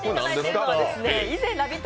以前ラヴィット！